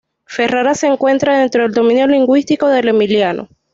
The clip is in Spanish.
Ferrara se encuentra dentro del dominio lingüístico del emiliano.